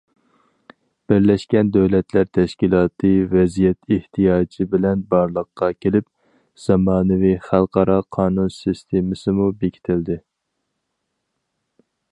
بىرلەشكەن دۆلەتلەر تەشكىلاتى ۋەزىيەت ئېھتىياجى بىلەن بارلىققا كېلىپ، زامانىۋى خەلقئارا قانۇن سىستېمىسىمۇ بېكىتىلدى.